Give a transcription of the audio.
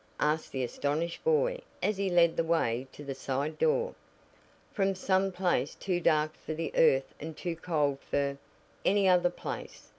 asked the astonished boy as he led the way to the side door. "From some place too dark for the earth and too cold for any other place.